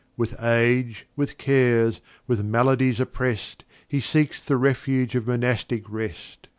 With Age, with Cares, with Maladies oppress'd, He seeks the Refuge of Monastic Rest.